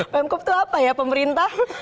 pemkop itu apa ya pemerintah